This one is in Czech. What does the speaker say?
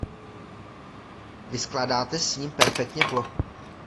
Vyskládáte s ním perfektně plochu.